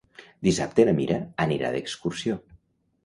Dissabte na Mira anirà d'excursió.